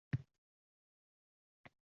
Bu adibni xalqimiz juda sevadi, ardoqlaydi